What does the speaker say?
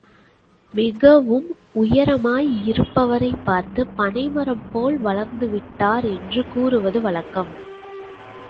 மிகவும் உயரமாய் இருப்பவரைப் பார்த்து பனை மரம் போல் வளர்ந்து விட்டார் என்று கூறுவது வழக்கம்.